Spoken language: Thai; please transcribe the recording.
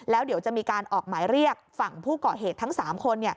แล้วเดี๋ยวจะมีการออกหมายเรียกฝั่งผู้ก่อเหตุทั้ง๓คน